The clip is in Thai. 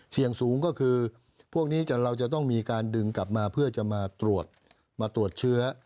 เสี่ยงสูงก็คือพวกนี้เราจะต้องมีการดึงกลับมาเพื่อจะมาตรวจมาตรวจเชื้อ